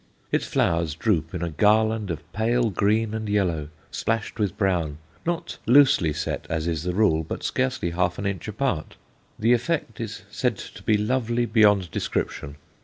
Its flowers droop in a garland of pale green and yellow, splashed with brown, not loosely set, as is the rule, but scarcely half an inch apart. The effect is said to be lovely beyond description.